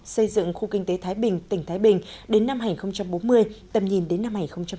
xây dựng khu kinh tế thái bình tỉnh thái bình đến năm hai nghìn bốn mươi tầm nhìn đến năm hai nghìn năm mươi